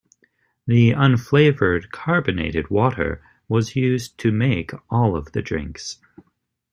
The unflavored carbonated water was used to make all of the drinks.